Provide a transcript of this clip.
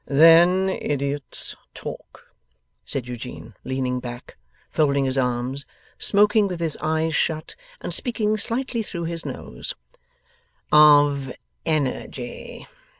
'Then idiots talk,' said Eugene, leaning back, folding his arms, smoking with his eyes shut, and speaking slightly through his nose, 'of Energy.